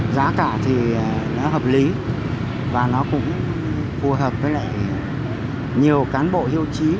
giá cả thì nó hợp lý và nó cũng phù hợp với lại nhiều cán bộ hiệu trí